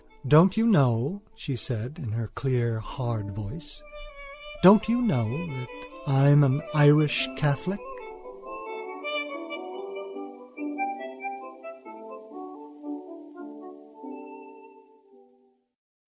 "Don't you know," she said, in her clear hard voice, "don't you know that I'm an Irish Catholic?"